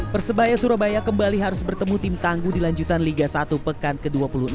persebaya surabaya kembali harus bertemu tim tangguh di lanjutan liga satu pekan ke dua puluh enam